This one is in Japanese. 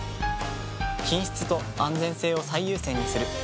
品質と安全性を最優先にする。